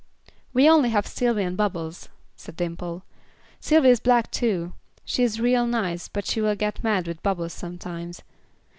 "We only have Sylvy and Bubbles," said Dimple. "Sylvy is black too; she is real nice but she will get mad with Bubbles sometimes.